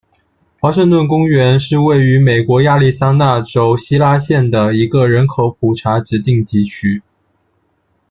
华盛顿公园是位于美国亚利桑那州希拉县的一个人口普查指定地区。